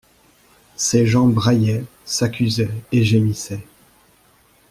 Ces gens braillaient, s'accusaient et gémissaient.